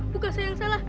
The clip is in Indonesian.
bukan saya yang salah